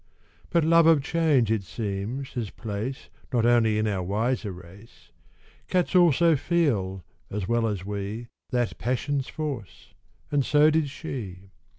But love of change, it seems, has place Not only in our wiser race; Cats also feel, as well as we, That passion's force, and so did she.